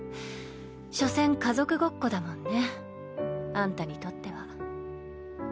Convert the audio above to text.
所詮家族ごっこだもんねあんたにとっては。